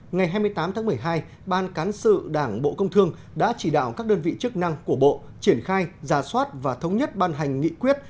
ngày hai mươi tám tháng một mươi hai ban cán sự đảng bộ công thương đã chỉ đạo các đơn vị chức năng của bộ triển khai giả soát và thống nhất ban hành nghị quyết